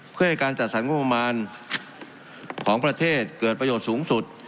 เพื่อให้การจัดสรรงบประมาณของประเทศเกิดประโยชน์สูงสุด